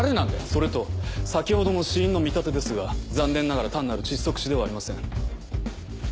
それと先ほどの死因の見立てですが残念ながら単なる窒息死ではありません。